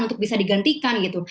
untuk bisa digantikan gitu